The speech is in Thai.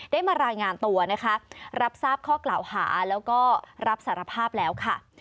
ได้มารายงานตัวนะคะรับทราบข้อกล่าวหาแล้วก็รับสารภาพแล้วค่ะ